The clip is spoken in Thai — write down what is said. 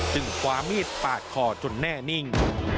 คว้ามีดปาดคอจนแน่นิ่ง